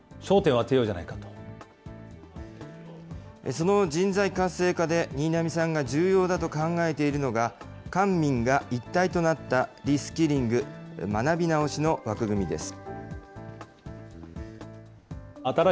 その人材活性化で新浪さんが重要だと考えているのが、官民が一体となったリスキリング・学び直しの枠組みです。